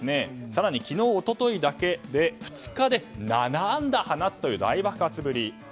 更に昨日おとといの２日で７安打を放つという大爆発振り。